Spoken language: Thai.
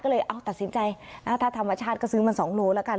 ก็เลยเอ้าตัดสินใจนะฮะถ้าธรรมชาติก็ซื้อมันสองโลกรัมละกัน